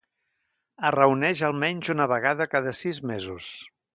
Es reuneix almenys una vegada cada sis mesos.